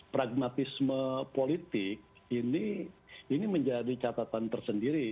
pragmatisme politik ini menjadi catatan tersendiri